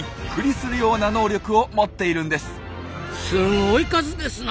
すごい数ですな。